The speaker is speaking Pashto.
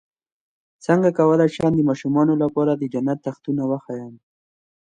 څنګه کولی شم د ماشومانو لپاره د جنت تختونه وښایم